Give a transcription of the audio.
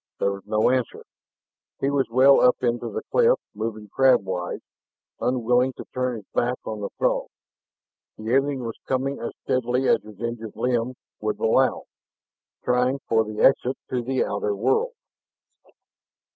There was no answer. He was well up into the cleft, moving crabwise, unwilling to turn his back on the Throg. The alien was coming as steadily as his injured limb would allow, trying for the exit to the outer world.